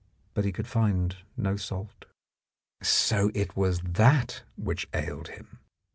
But he could find no salt. ... So it was that which ailed him.